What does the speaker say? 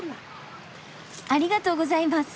ありがとうございます。